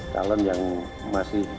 kalen yang masih